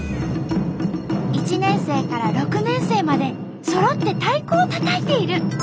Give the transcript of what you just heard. １年生から６年生までそろって太鼓をたたいている。